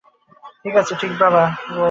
ঠিক আছে, কিন্তু বাবা, কি বলব?